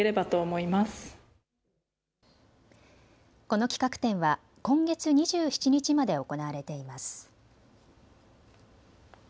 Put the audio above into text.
この企画展は今月２７日まで行われています。